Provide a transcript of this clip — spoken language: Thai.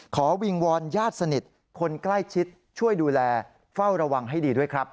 วิงวอนญาติสนิทคนใกล้ชิดช่วยดูแลเฝ้าระวังให้ดีด้วยครับ